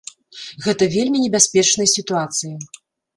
Гэта вельмі небяспечная сітуацыя.